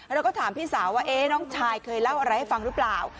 เราก็ถามพี่สาวว่าน้องชายเคยเล่าอะไรให้ฟังหรือเปล่า